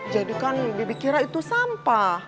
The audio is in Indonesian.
jadi kan bibik kira itu sampah